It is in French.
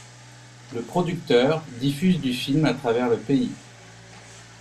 Le producteur diffuse du film à travers le pays.